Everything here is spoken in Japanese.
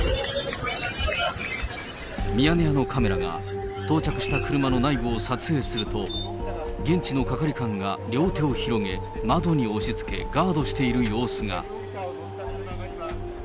ミヤネ屋のカメラが、到着した車の内部を撮影すると、現地の係官が両手を広げ、窓に押しつけガードしている様子が。